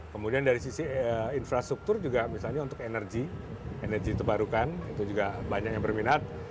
kemudian dari sisi infrastruktur juga misalnya untuk energi energi terbarukan itu juga banyak yang berminat